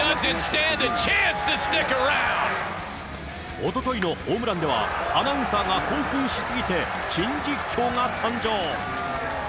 おとといのホームランでは、アナウンサーが興奮し過ぎて、珍実況が誕生。